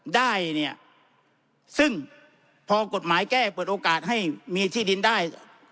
ได้เนี่ยซึ่งพอกฎหมายแก้เปิดโอกาสให้มีที่ดินได้